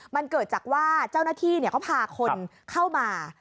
มันเกิดจากว่าเจ้าหน้าที่เขาพาคนเข้ามา